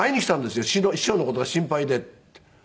師匠の事が心配で」って。